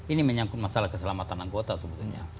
ini menyangkut masalah keselamatan anggota sebetulnya